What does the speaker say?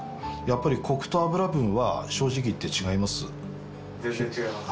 やっぱりコクと脂分は正直言って違います。